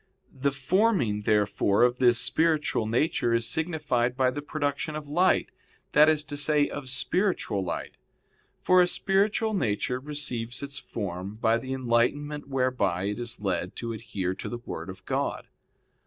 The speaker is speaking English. The forming, therefore, of this spiritual nature is signified by the production of light, that is to say, of spiritual light. For a spiritual nature receives its form by the enlightenment whereby it is led to adhere to the Word of God.